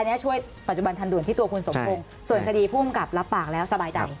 อันนี้ช่วยปัจจุบันทันด่วนที่ตัวคุณสมพงศ์ส่วนคดีภูมิกับรับปากแล้วสบายใจ